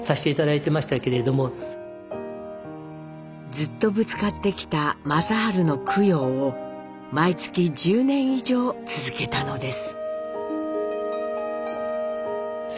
ずっとぶつかってきた正治の供養を毎月１０年以上続けたのです。